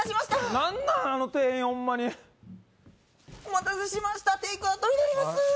何なんあの店員ホンマにお待たせしましたテイクアウトになります